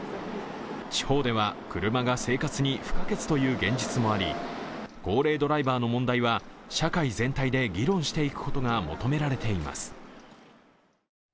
地方では車が生活に不可欠という現実もあり高齢ドライバーの問題は社会全体で議論していくことが求められています。